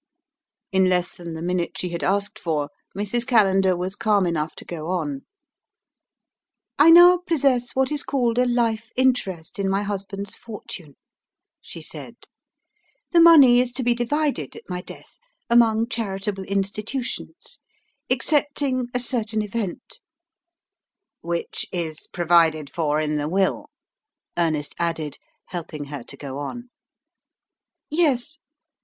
In less than the minute she had asked for, Mrs. Callender was calm enough to go on. "I now possess what is called a life interest in my husband's fortune," she said. "The money is to be divided, at my death, among charitable institutions; excepting a certain event " "Which is provided for in the will?" Ernest added, helping her to go on. "Yes.